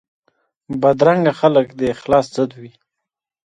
بدرنګه خلک د اخلاص ضد وي